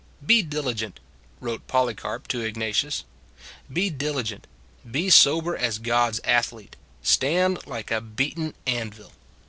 " Be diligent," wrote Polycarp to Igna tius. " Be diligent. Be sober as God s athlete. Stand like a beaten anvil."